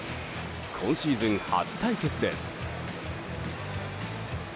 今シーズン初対決です。